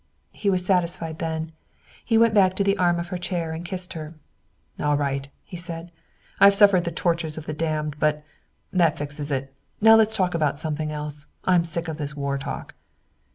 He was satisfied then. He went back to the arm of her chair and kissed her. "All right," he said. "I've suffered the tortures of the damned, but that fixes it. Now let's talk about something else. I'm sick of this war talk."